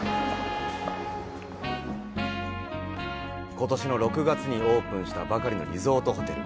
ことしの６月にオープンしたばかりのリゾートホテル。